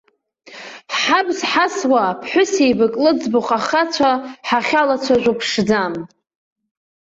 Ҳабз ҳаасуа, ԥҳәысеибак лыӡбахә ахацәа ҳахьалацәажәо ԥшӡам.